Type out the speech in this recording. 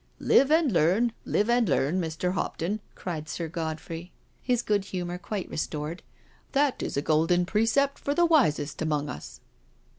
" Live and learn, live and learn, Mr. Hopton," cried Sir Godfrey, his good humour quite restored; " that is a golden precept for the wisest among us."